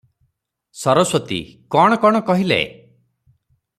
ସରସ୍ୱତୀ - କଣ-କଣ କହିଲେ?